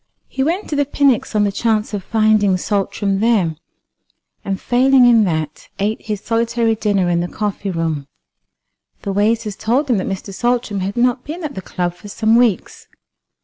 He went to the Pnyx on the chance of finding Saltram there, and failing in that, ate his solitary dinner in the coffee room. The waiters told him that Mr. Saltram had not been at the club for some weeks.